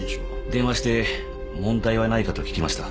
電話して問題はないかと聞きました。